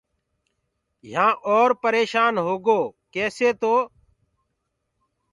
يهآن اورَ پريشآن هوگو ڪيسي تو